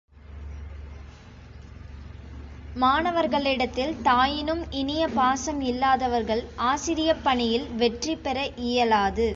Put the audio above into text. மாணவர்களிடத்தில் தாயினும் இனிய பாசம் இல்லாதவர்கள் ஆசிரியப் பணியில் வெற்றி பெற இயலாது.